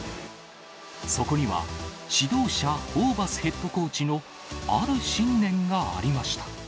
そこには、指導者、ホーバスヘッドコーチのある信念がありました。